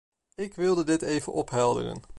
Ik wilde dit even ophelderen.